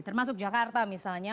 termasuk jakarta misalnya